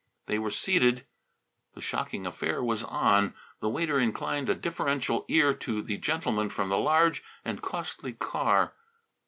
They were seated! The shocking affair was on. The waiter inclined a deferential ear to the gentleman from the large and costly car.